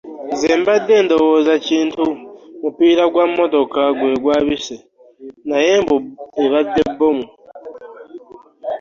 Nze mbadde ndowoozi kintu mupiira gwa mmotoka gwe gwabise naye mbu ebadde bbomu.